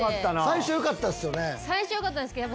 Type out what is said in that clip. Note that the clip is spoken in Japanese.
最初よかったんすけど。